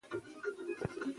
سهار مو نیکمرغه